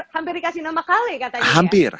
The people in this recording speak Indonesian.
hampir dikasih nama kali katanya ya